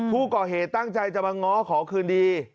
ผู้ก่อเหตุตั้งใจจะมาง้อขอคืนดี